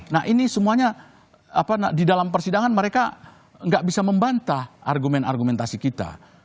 nah ini semuanya di dalam persidangan mereka nggak bisa membantah argumen argumentasi kita